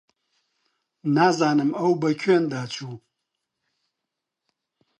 نازانم ئەو بە کوێندا چوو.